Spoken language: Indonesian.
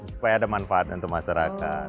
supaya ada manfaat untuk masyarakat